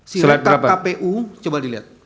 sikap kpu coba dilihat